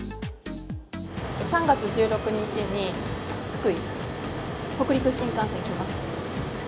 ３月１６日に福井に北陸新幹線来ます。